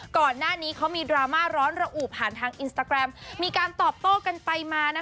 ก่อนหน้านี้เขามีดราม่าร้อนระอุผ่านทางมีการตอบโต้กันไปมานะคะ